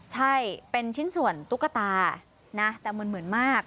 ใช่เป็นชิ้นส่วนตุ๊กตานะแต่เหมือนมาก